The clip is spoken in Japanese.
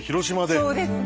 そうですね！